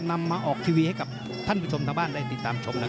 นำมาออกทีวีให้กับที่บ้านได้ติดตามชม